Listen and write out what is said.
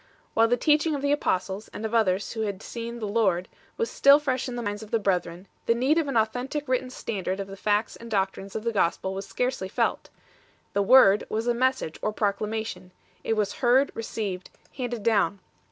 While the teaching of the Apostles, and of others who had seen the Lord, was still fresh in the minds of the brethren, the need of an authentic written standard of the facts and doctrines of the Gospel was scarcely felt. The " word " was a message or proclamation; it was heard, received, handed down.